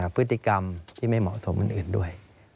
พฤติกรรมที่ไม่เหมาะสมอื่นด้วย